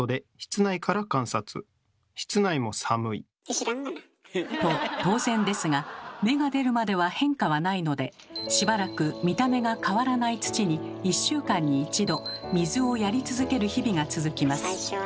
知らんがな。と当然ですが芽が出るまでは変化はないのでしばらく見た目が変わらない土に１週間に１度水をやり続ける日々が続きます。